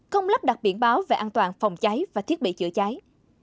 không lắp đặt biển báo về an toàn phòng cháy và thiết bị chữa cháy